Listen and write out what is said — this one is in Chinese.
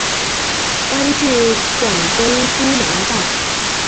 官至广东督粮道。